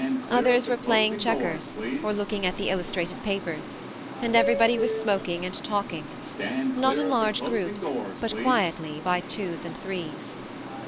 Others were playing checkers, or looking at the illustrated papers, and everybody was smoking and talking not in large groups, but quietly, by twos or threes.